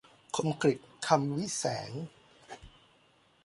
คมกฤษ คำวิแสง